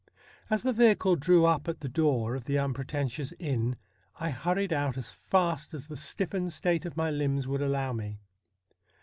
As the vehicle drew up at the door of the unpretentious inn, I hurried out as fast as the stiffened state of my limbs would allow me.